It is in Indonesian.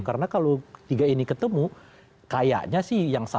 karena kalau ketiga ini ketemu kayaknya sih yang satu